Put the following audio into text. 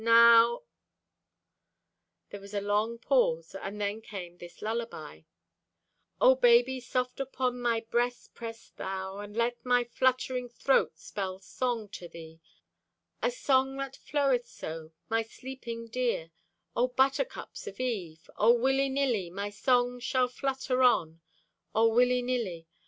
Now——" There was a long pause and then came this lullaby: Oh, baby, soft upon my breast press thou, And let my fluttering throat spell song to thee, A song that floweth so, my sleeping dear: Oh, buttercups of eve, Oh, willynilly, My song shall flutter on, Oh, willynilly.